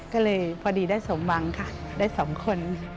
ก็เลยพอดีได้ส่งมั่งขั้นได้สามคน